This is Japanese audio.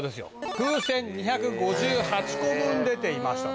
風船２５８個分出ていました。